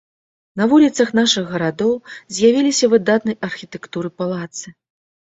На вуліцах нашых гарадоў з'явіліся выдатнай архітэктуры палацы.